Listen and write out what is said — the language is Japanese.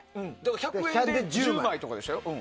１００円で１０枚とかでしたよ。